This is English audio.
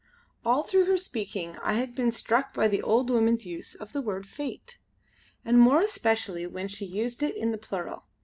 All through her speaking I had been struck by the old woman's use of the word 'Fate,' and more especially when she used it in the plural.